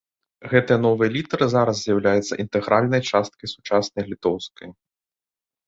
Гэтыя новыя літары зараз з'яўляюцца інтэгральнай часткай сучаснай літоўскай.